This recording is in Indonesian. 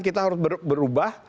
kita harus berubah